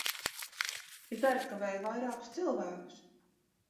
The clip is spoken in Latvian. Es aizkavēju vairākus cilvēkus.